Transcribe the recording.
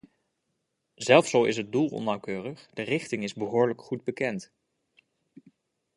Zelfs al is het doel onnauwkeurig, de richting is behoorlijk goed bekend.